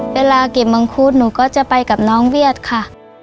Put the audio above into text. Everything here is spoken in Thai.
เวลาเก็บมังคุดหนูก็จะไปกับน้องเวียดค่ะ